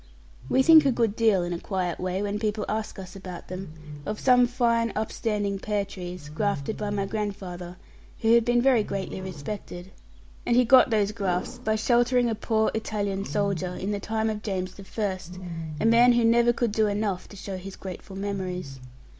We think a good deal, in a quiet way, when people ask us about them of some fine, upstanding pear trees, grafted by my grandfather, who had been very greatly respected. And he got those grafts by sheltering a poor Italian soldier, in the time of James the First, a man who never could do enough to show his grateful memories.